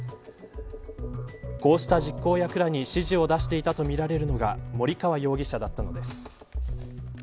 こうした実行役らに指示を出していたとみられるのが森川容疑者だったのです。